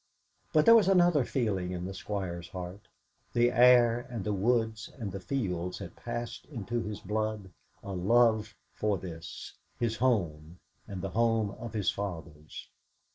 But there was another feeling in the Squire's heart the air and the woods and the fields had passed into his blood a love for this, his home and the home of his fathers.